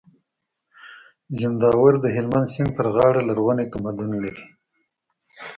زينداور د هلمند د سيند پر غاړه لرغونی تمدن لري